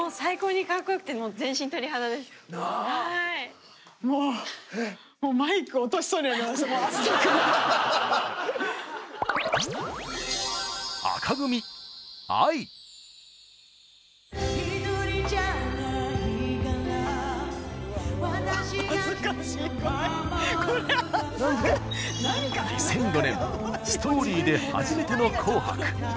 ２００５年「Ｓｔｏｒｙ」で初めての「紅白」。